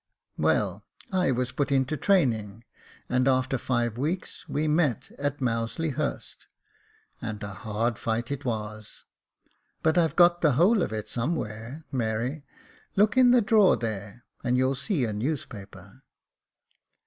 Well, I was put into training, and after five weeks we met at Mousley Hurst, and a hard fight it was — but I've got the whole of it somewhere, Mary ; look in the drawer there, and you'll see a newspaper."